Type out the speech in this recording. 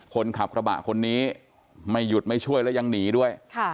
คนขับกระบะคนนี้ไม่หยุดไม่ช่วยแล้วยังหนีด้วย